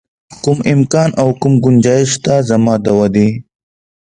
کوم امکان او کوم ګنجایش شته زما د ودې.